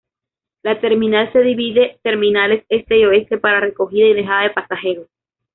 La terminal se divide terminales este y oeste para recogida y dejada de pasajeros.